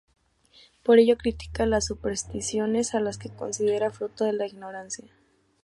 Por ello critica las supersticiones, a las que considera fruto de la ignorancia.